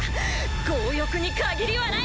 強欲に限りはない！